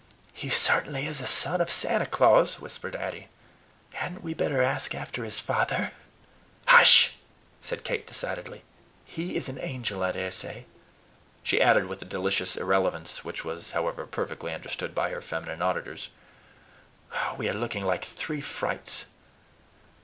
"He certainly is a son of Santa Claus," whispered Addy. "Hadn't we better ask after his father?" "Hush!" said Kate decidedly. "He is an angel, I dare say." She added with a delicious irrelevance, which was, however, perfectly understood by her feminine auditors, "We are looking like three frights."